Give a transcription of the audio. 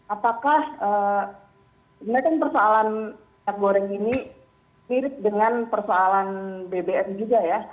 apakah sebenarnya kan persoalan minyak goreng ini mirip dengan persoalan bbm juga ya